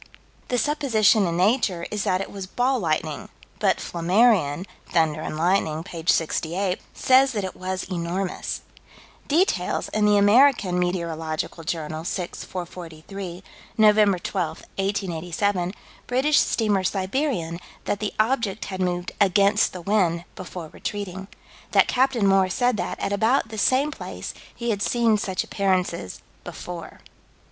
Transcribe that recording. The supposition in Nature is that it was "ball lightning," but Flammarion, Thunder and Lightning, p. 68, says that it was enormous. Details in the American Meteorological Journal, 6 443 Nov. 12, 1887 British steamer Siberian that the object had moved "against the wind" before retreating that Captain Moore said that at about the same place he had seen such appearances before.